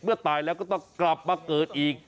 ตายแล้วก็ต้องกลับมาเกิดอีก